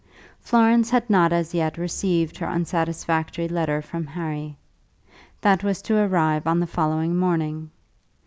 Florence had not as yet received her unsatisfactory letter from Harry. That was to arrive on the following morning.